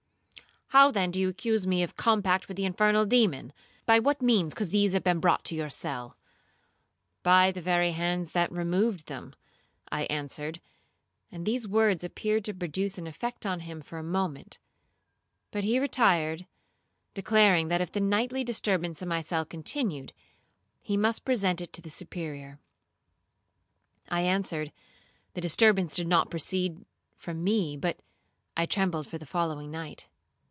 '—'How, then, do you accuse me of a compact with the infernal demon? By what means could these have been brought to your cell?'—'By the very hands that removed them,' I answered and these words appeared to produce an effect on him for a moment; but he retired, declaring, that if the nightly disturbance in my cell continued, he must represent it to the Superior. I answered, the disturbance did not proceed from me,—but I trembled for the following night.